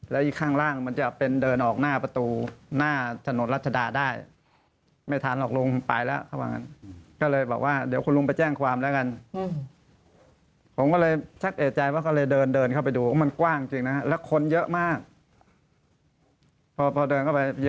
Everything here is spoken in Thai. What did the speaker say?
มันจะเป็นเดินออกหน้าประตูหน้าสนรรจดาได้